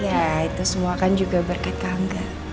ya itu semua kan juga berkat kangga